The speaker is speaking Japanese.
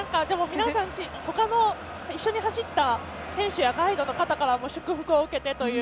皆さんほかの一緒に走った選手やガイドの方からも祝福を受けてという。